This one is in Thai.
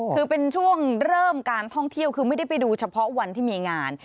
คือเป็นช่วงเริ่มการท่องเที่ยวคือไม่ได้ไปดูเฉพาะวันที่มีงาน